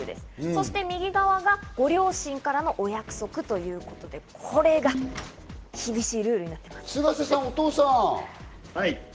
そして右側がご両親からのお約束ということで、これが厳しいルールになってます。